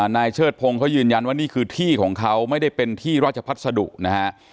เชิดพงศ์เขายืนยันว่านี่คือที่ของเขาไม่ได้เป็นที่ราชพัสดุนะฮะ